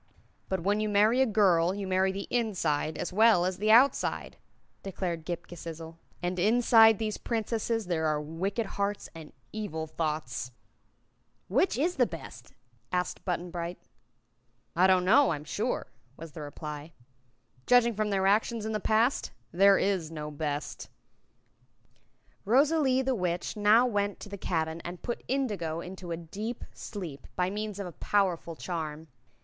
"But when you marry a girl, you marry the inside as well as the outside," declared Ghip Ghisizzle, "and inside these Princesses there are wicked hearts and evil thoughts. I'd rather be patched than marry the best of them." "Which is the best?" asked Button Bright. "I don't know, I'm sure," was the reply. "Judging from their actions in the past, there is no best." Rosalie the Witch now went to the cabin and put Indigo into a deep sleep, by means of a powerful charm.